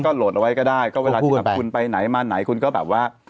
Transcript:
โหลดเอาไว้ก็ได้ก็เวลาที่แบบคุณไปไหนมาไหนคุณก็แบบว่า